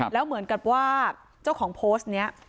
แล้วเหมือนกับว่าเจ้าของโพสต์นี้